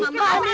maaf pak amih